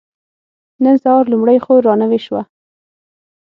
نن سهار لومړۍ خور را نوې شوه.